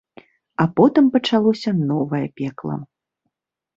А потым пачалося новае пекла.